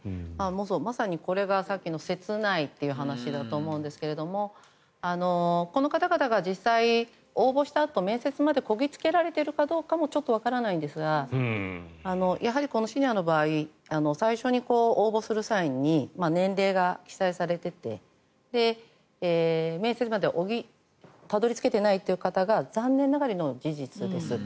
まさに、これがさっきの切ないという話だと思うんですがこの方々が実際、応募したあと面接までこぎ着けられているかどうかもちょっとわからないんですがやはり、シニアの場合は最初に応募する際に年齢が記載されていて面接までたどり着けていない方が残念ながら、いるのは事実です。